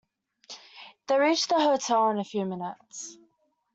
They reached the hotel in a few minutes.